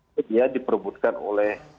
itu dia diperobotkan oleh